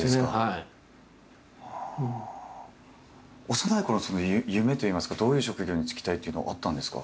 幼いころの夢といいますかどういう職業に就きたいというのはあったんですか？